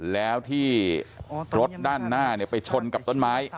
แล้วที่รถด้านหน้าไปชนกับต้นไม้